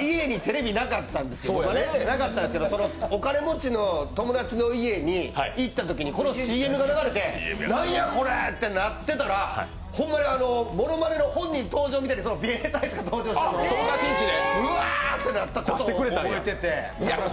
家にテレビなかったんですけど、そのお金持ちの友達の家にいったとき、このＣＭが流れて何や、これ！ってなってたら、ほんまにものまねの本人登場のように、ビエネッタアイスが登場してうわぁ！ってなったことを覚えてて。